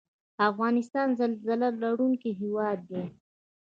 افغانستان زلزله لرونکی هیواد دی